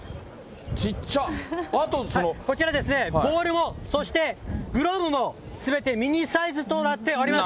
こちらですね、ボールも、そしてグローブも、すべてミニサイズとなっております。